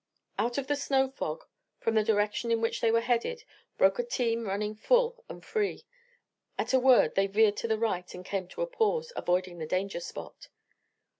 Out of the snow fog from the direction in which they were headed broke a team running full and free. At a word they veered to the right and came to a pause, avoiding the danger spot.